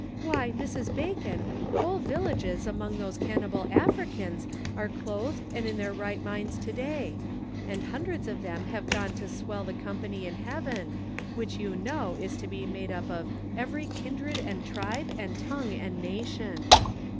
Why, Mrs. Bacon, whole villages among those cannibal Africans are clothed and in their right minds to day ; and hundreds of them have gone to swell the company in heaven, which you know is to be made up of every 'kindred and tribe and tongue and nation.'